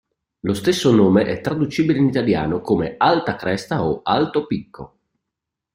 Lo stesso nome è traducibile in Italiano come "alta cresta" o "alto picco".